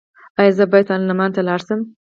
ایا زه باید پارلمان ته لاړ شم؟